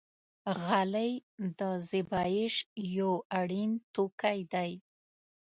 غلۍ د زېبایش یو اړین توکی دی.